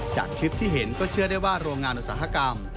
จากคลิปที่เห็นก็เชื่อได้ว่าโรงงานอุตสาหกรรม